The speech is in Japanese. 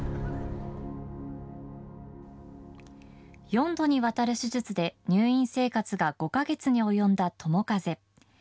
４度にわたる手術で入院生活が５か月に及んだ友風。